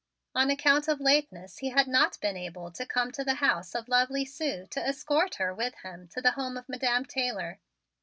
On account of lateness he had not been able to come to the house of lovely Sue to escort her with him to the home of Madam Taylor.